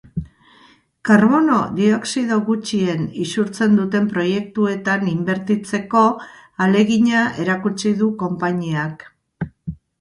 Karbono dioxido gutxien isurtzen duten proiektuetan inbertitzeko ahalegina erakutsi du konpainiak.